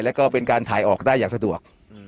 แล้วก็เป็นการถ่ายออกได้อย่างสะดวก